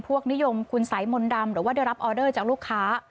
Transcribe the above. นิยมคุณสัยมนต์ดำหรือว่าได้รับออเดอร์จากลูกค้า